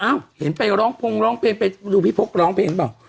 อ้าวเห็นไปร้องพงษ์ร้องเพลงไปดูพี่พกร้องเพลงเปล่า